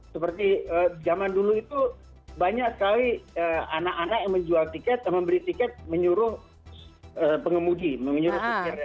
seperti zaman dulu itu banyak sekali anak anak yang menjual tiket membeli tiket menyuruh pengemudi menyuruh tiket